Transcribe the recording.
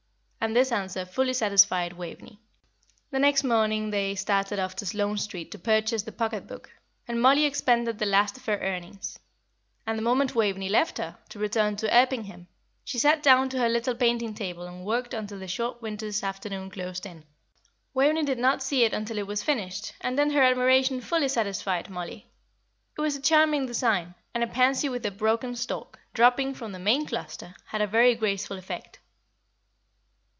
And this answer fully satisfied Waveney. The next morning they started off to Sloane Street to purchase the pocket book, and Mollie expended the last of her earnings; and the moment Waveney left her, to return to Erpingham, she sat down to her little painting table and worked until the short winter's afternoon closed in. Waveney did not see it until it was finished, and then her admiration fully satisfied Mollie. It was a charming design, and a pansy with a broken stalk, dropping from the main cluster, had a very graceful effect.